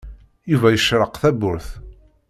Yuba icerreq tawwurt.